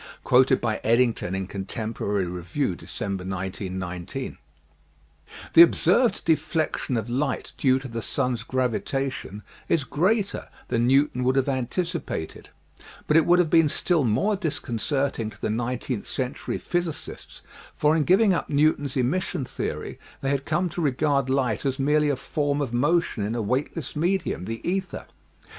* Quoted by Eddington in Contemporary Review, December, 1919 96 EASY LESSONS IN EINSTEIN The observed deflection of light due to the sun*s gravitation is greater than Newton would have antici pated but it would have been still more disconcerting to the nineteenth century physicists, for in giving up Newton's emission theory they had come to regard light as merely a form of motion in a weightless medium, the ether.